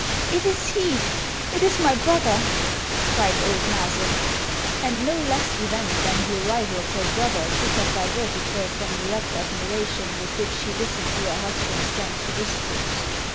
" It is he ; it is my brother !" cried old Maase. And no less event than the arrival of her brother could have diverted her from the rapt admiration with which she listened to her husband's lengthy discourse.